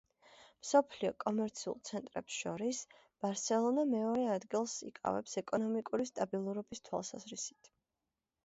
მსოფლიო კომერციულ ცენტრებს შორის, ბარსელონა მეორე ადგილს იკავებს ეკონომიკური სტაბილურობის თვალსაზრისით.